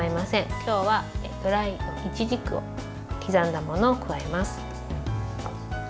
今日はドライのいちじくを刻んだものを加えます。